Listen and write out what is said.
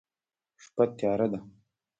شپه تیاره ده